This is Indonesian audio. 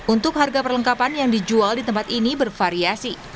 untuk harga perlengkapan yang dijual di tempat ini bervariasi